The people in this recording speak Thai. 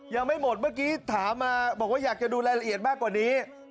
ยังไม่หมดเมื่อกี้ถามมาบอกว่าอยากจะดูรายละเอียดมากกว่านี้